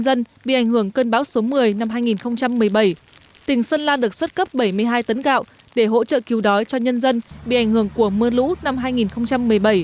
tỉnh sơn la được xuất cấp bảy mươi hai tấn gạo để hỗ trợ cứu đoàn cho nhân dân bị ảnh hưởng của mưa lũ năm hai nghìn một mươi bảy